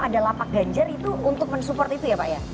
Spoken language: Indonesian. ada lapak ganjar itu untuk mensupport itu ya pak ya